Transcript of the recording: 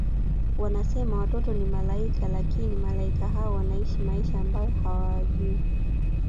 Wanasema watoto ni Malaika lakini Malaika hao wanaishi maisha ambayo hawajui